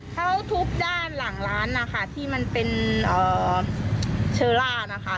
เขาทุบด้านหลังร้านนะคะที่มันเป็นเชอร่านะคะ